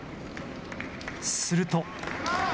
すると。